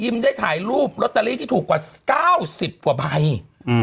ได้ถ่ายรูปลอตเตอรี่ที่ถูกกว่าเก้าสิบกว่าใบอืม